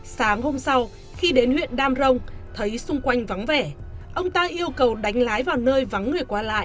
sáng hôm sau khi đến huyện đam rồng thấy xung quanh vắng vẻ ông ta yêu cầu đánh lái vào nơi vắng người qua lại